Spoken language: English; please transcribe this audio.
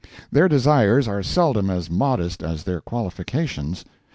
Their desires are seldom as modest as their qualifications.